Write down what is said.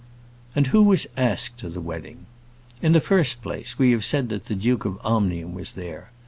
And who was asked to the wedding? In the first place, we have said that the Duke of Omnium was there.